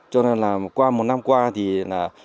cho nên qua một năm qua